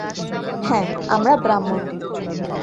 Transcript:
হ্যাঁ, আমরা ব্রাহ্মণ।